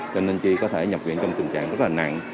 cho nên chị có thể nhập viện trong tình trạng rất là nặng